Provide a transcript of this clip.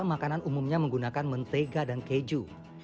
makanan umumnya menggunakan mentega dan keju